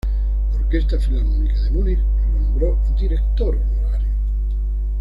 La Orquesta Filarmónica de Múnich lo nombró Director Honorario.